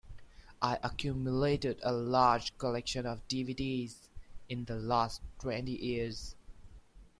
I accumulated a large collection of dvds in the last twenty years.